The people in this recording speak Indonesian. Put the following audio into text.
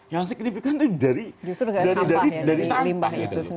yang signifikan itu dari sampah